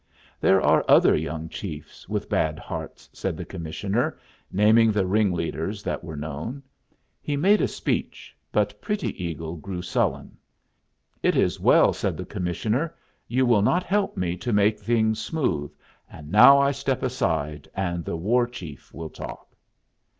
"There are other young chiefs with bad hearts," said the commissioner, naming the ringleaders that were known. He made a speech, but Pretty Eagle grew sullen. "It is well," said the commissioner; "you will not help me to make things smooth, and now I step aside and the war chief will talk."